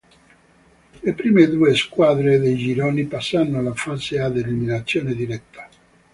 Le prime due squadre dei gironi passano alla fase ad eliminazione diretta.